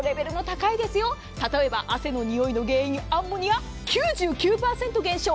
例えば、汗のにおいの原因アンモニア、９９％減少。